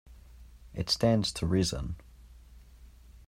It stands to reason.